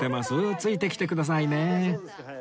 ついてきてくださいね